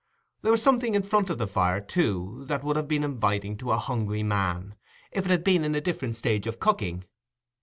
There was something in front of the fire, too, that would have been inviting to a hungry man, if it had been in a different stage of cooking.